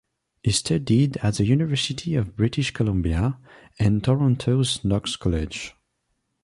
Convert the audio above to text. He studied at the University of British Columbia, and Toronto's Knox College.